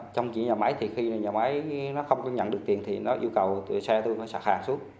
trong chuyển nhà máy khi nhà máy không có nhận được tiền thì nó yêu cầu xe tôi sạc hàng xuống